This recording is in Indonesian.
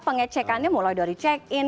pengecekannya mulai dari check in